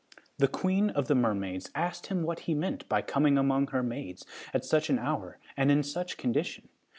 The queen of the mermaids asked him what he meant by coming among her maids at such an hour and in such condition.